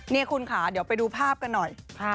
นี่คุณค่ะเดี๋ยวไปดูภาพกันหน่อย